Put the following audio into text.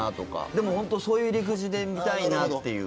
でも、本当そういう入り口で見たいなっていう。